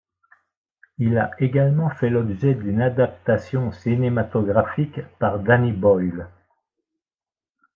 Il a également fait l'objet d'une adaptation cinématographique par Danny Boyle.